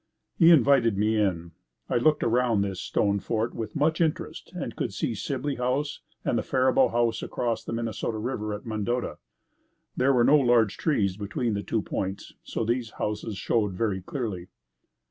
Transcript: He invited me in. I looked around this stone fort with much interest and could see Sibley House and Faribault house across the Minnesota river at Mendota. There were no large trees between the two points so these houses showed very clearly.